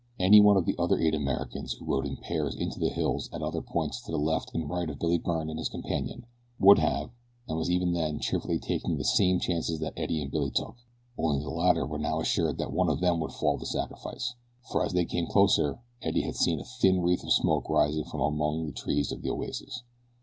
Any one of the other eight Americans who rode in pairs into the hills at other points to the left and right of Billy Byrne and his companion would have and was even then cheerfully taking the same chances that Eddie and Billy took, only the latter were now assured that to one of them would fall the sacrifice, for as they had come closer Eddie had seen a thin wreath of smoke rising from among the trees of the oasis.